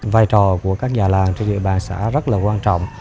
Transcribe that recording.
vai trò của các già làng trên địa bàn xã rất là quan trọng